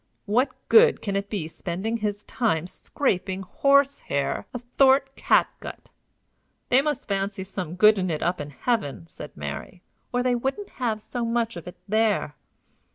"What good can it be spending his time scraping horsehair athort catgut?" "They must fancy some good in it up in heaven," said Mary, "or they wouldn't have so much of it there."